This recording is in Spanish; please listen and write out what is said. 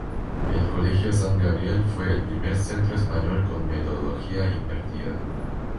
El colegio San Gabriel, fue el primer centro español con metodología invertida.